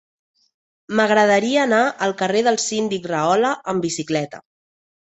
M'agradaria anar al carrer del Síndic Rahola amb bicicleta.